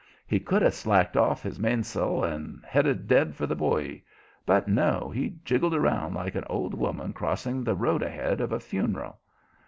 He could have slacked off his mainsail and headed dead for the buoy, but no, he jiggled around like an old woman crossing the road ahead of a funeral.